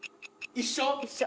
一緒。